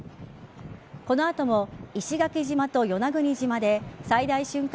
この後も、石垣島と与那国島で最大瞬間